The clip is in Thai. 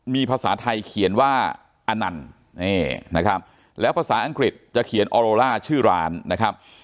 มีภาษาไทยเขียนว่าอนันต์นี่นะครับแล้วภาษาอังกฤษจะเขียนออโรล่าชื่อร้านนะครับ